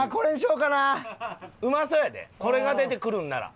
うまそうやでこれが出てくるんなら。